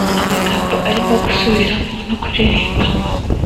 -; -amagambo arimo -gusubiramo no kuririmba